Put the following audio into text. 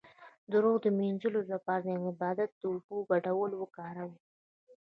د روح د مینځلو لپاره د عبادت او اوبو ګډول وکاروئ